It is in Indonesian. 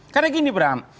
karena gini bram